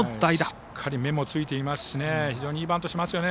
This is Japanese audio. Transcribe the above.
しっかり目もついていますし非常にいいバントしますよね。